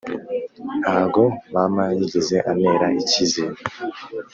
Ntago mama yigeze anera icyizere